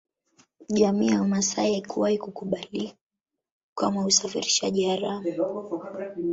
Jamii ya Wamasai haikuwahi kukubali kamwe usafirishaji haramu